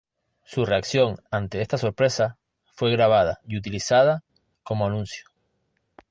Su reacción ante esta sorpresa fue grabada y utilizada como anuncio.